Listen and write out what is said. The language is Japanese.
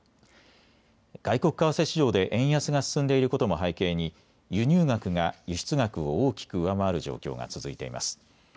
外国為替市場で円安が進んでいることも背景に輸入額が輸出額を大きく上回る状況が続いてます。